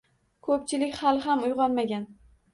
Ko‘pchilik hali ham uyg‘onmagan